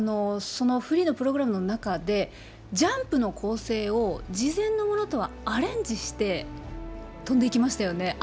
そのフリーのプログラムの中で、ジャンプの構成を事前のものとはアレンジして跳んでいきましたよね。